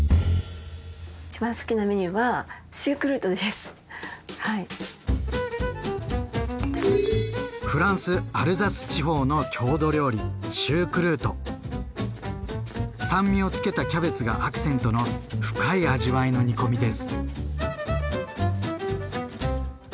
一番好きなメニューはフランスアルザス地方の郷土料理酸味をつけたキャベツがアクセントの深い味わいの煮込みです。